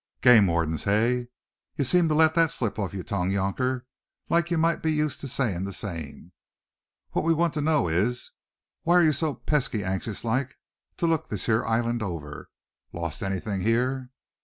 "Game wardens, hey? Ye seem to let that slip off yer tongue, younker, like ye might be used to sayin' the same. What we want to know is, why are ye so pesky anxious like to look this here island over? Lost anything here?"